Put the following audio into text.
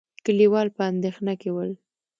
کليوال په اندېښنه کې ول.